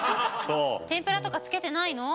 天ぷらとかつけてないの？